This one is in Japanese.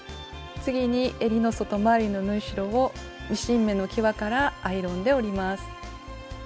次にえりの外回りの縫い代をミシン目のきわからアイロンで折ります。